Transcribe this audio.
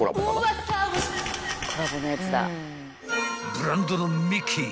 ［ブランドのミッキー］